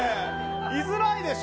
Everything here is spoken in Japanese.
居づらいでしょ。